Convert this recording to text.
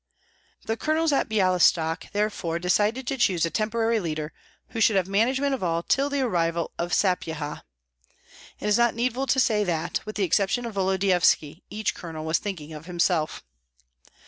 The colonels at Byalystok therefore decided to choose a temporary leader who should have management of all till the arrival of Sapyeha. It is not needful to say that, with the exception of Volodyovski, each colonel was thinking of himself.